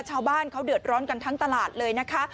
ชาวบ้านเขาเดือดร้อนกันทั้งตลาดเลยนะคะ